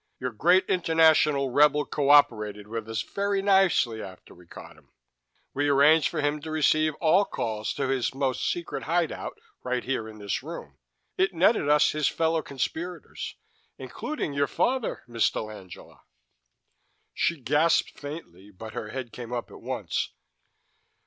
Your great international rebel cooperated with us very nicely after we caught him. We arranged for him to receive all calls to his most secret hideout right here in this room. It netted us his fellow conspirators including your father, Miss dell'Angela!" She gasped faintly, but her head came up at once.